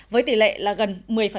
với tỷ lệ gần một mươi